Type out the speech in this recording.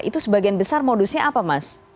itu sebagian besar modusnya apa mas